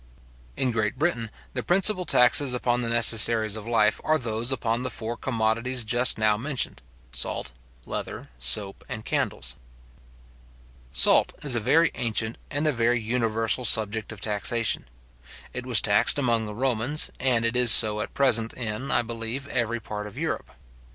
In Great Britain, the principal taxes upon the necessaries of life, are those upon the four commodities just now mentioned, salt, leather, soap, and candles. Salt is a very ancient and a very universal subject of taxation. It was taxed among the Romans, and it is so at present in, I believe, every part of Europe.